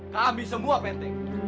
kami semua pak rt